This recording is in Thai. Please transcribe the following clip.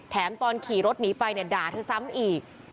แถมตอนขี่รถหนีไปด่าคือสามอีก